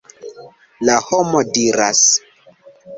La homo diras.